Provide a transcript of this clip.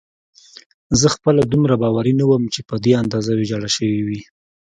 زه خپله دومره باوري نه وم چې په دې اندازه ویجاړه شوې وي.